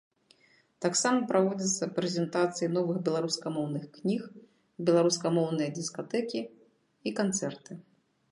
Таксама праводзяцца прэзентацыі новых беларускамоўных кніг, беларускамоўныя дыскатэкі і канцэрты.